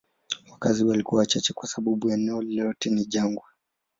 Wakazi walikuwa wachache kwa sababu eneo lote ni jangwa.